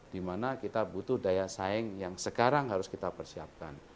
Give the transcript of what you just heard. dimana kita butuh daya saing yang sekarang harus kita persiapkan